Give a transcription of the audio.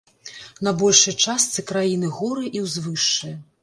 На большай частцы краіны горы і ўзвышшы.